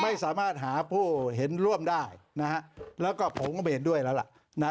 ไม่สามารถหาผู้เห็นร่วมได้นะฮะแล้วก็ผมก็ไม่เห็นด้วยแล้วล่ะ